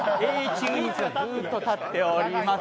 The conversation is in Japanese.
ずっと立っております。